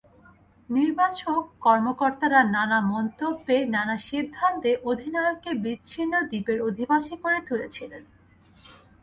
নির্বাচক, কর্মকর্তারা নানা মন্তব্যে, নানা সিদ্ধান্তে অধিনায়ককে বিচ্ছিন্ন দ্বীপের অধিবাসী করে তুলেছিলেন।